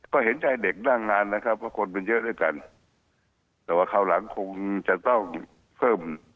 ก็เห็นใจเด็กนั่งนานนะครับว่าคนมันเยอะด้วยกันแต่ว่าคราวหลังคงจะต้องเพิ่ม